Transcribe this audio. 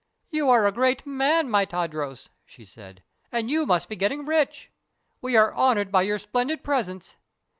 "You are a great man, my Tadros," she said, "and you must be getting rich. We are honored by your splendid presence.